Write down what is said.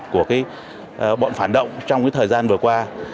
của bọn phản động trong thời gian vừa qua